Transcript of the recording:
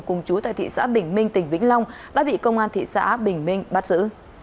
cùng chú tại thị xã bình minh tỉnh vĩnh long đã bị công an thị xã bình minh bắt giữ